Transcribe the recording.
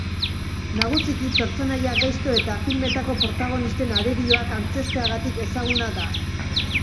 Nagusiki pertsonaia gaizto eta filmetako protagonisten arerioak antzezteagatik ezaguna da.